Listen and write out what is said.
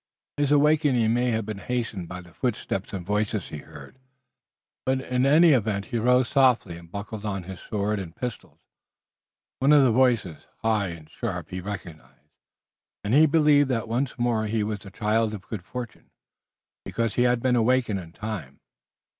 His awakening may have been hastened by the footsteps and voices he heard, but in any event he rose softly and buckled on his sword and pistols. One of the voices, high and sharp, he recognized, and he believed that once more he was the child of good fortune, because he had been awakened in time.